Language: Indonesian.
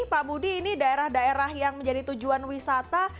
pak budi ini daerah daerah yang menjadi tujuan wisata